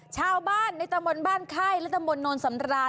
ชาวบ้านในตะบนบ้านไข้และตะบนนท์สำราน